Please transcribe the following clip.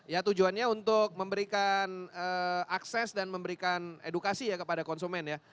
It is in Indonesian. ya tujuannya untuk memberikan akses dan memberikan edukasi ya kepada konsumen ya